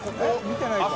見てないか？